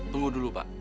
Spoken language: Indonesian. tunggu dulu pak